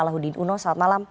salahuddin uno selamat malam